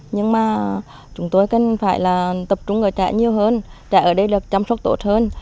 nhưng mà chúng tôi cần phải là tập trung ở trại nhiều hơn trại ở đây được chăm sóc tốt hơn